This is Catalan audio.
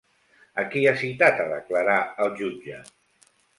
A qui ha citat a declarar el jutge?